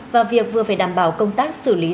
và việc vừa phải đảm bảo công tác xử lý